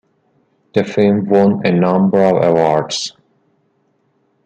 The film won a number of awards.